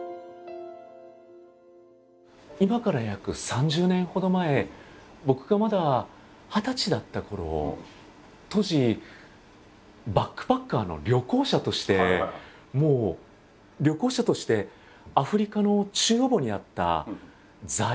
今から約３０年ほど前僕がまだ二十歳だったころ当時バックパッカーの旅行者としてもう旅行者としてアフリカの中央部にあったザイール。